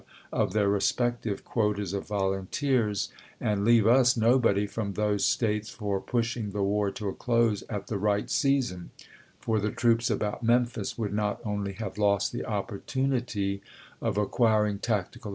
of their respective quotas of volunteers, and leave us nobody from those States for pushing the war to a close at the Gen. Scott right scasou ; for the troops about Memphis would not eroi^May ^^^J have lost the opportunity of acquiring tactical 29.